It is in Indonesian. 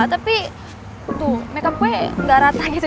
tapi tuh makeup gue gak rata gitu